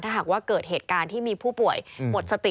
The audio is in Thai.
ถ้าหากว่าเกิดเหตุการณ์ที่มีผู้ป่วยหมดสติ